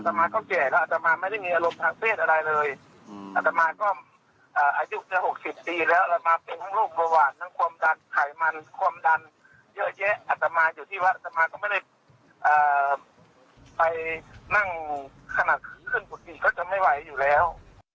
อัตมาอยู่ที่วะอัตมาก็ไม่ได้ไปนั่งขนักขึ้นกว่าดีเค้าจะไม่ไหวอยู่แล้ว